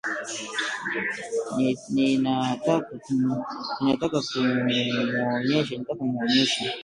Ninataka kumwonyesha